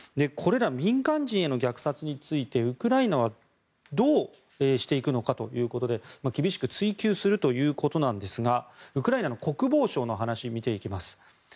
これら民間人への虐殺についてウクライナはどうしていくのかということで厳しく追及するということなんですがウクライナの国防省の話を見ていきます。